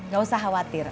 gak usah khawatir